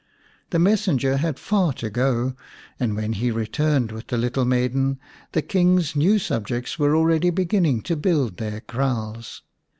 The messenger had far to go, and when he returned with the little maiden the King's new subjects were already beginning to build their kraals.